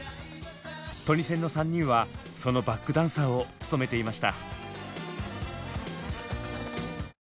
トニセンの３人はそのバックダンサーを務めていました。